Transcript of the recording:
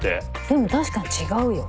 でも確かに違うよ。